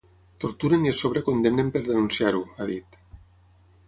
Torturen i a sobre condemnen per denunciar-ho, ha dit.